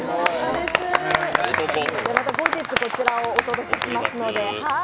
また後日こちらをお届けしますので。